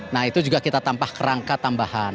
nah itu juga kita tambah kerangka tambahan